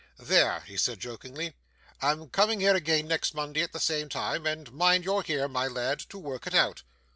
'There,' he said jokingly, 'I'm coming here again next Monday at the same time, and mind you're here, my lad, to work it out.